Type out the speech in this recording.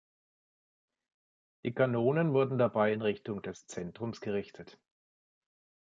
Die Kanonen wurden dabei in Richtung des Zentrums gerichtet.